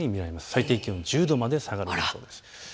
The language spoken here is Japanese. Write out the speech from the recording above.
最低気温１０度まで下がる見込みです。